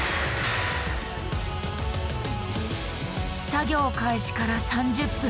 作業開始から３０分。